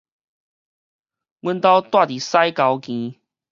阮兜蹛佇屎溝墘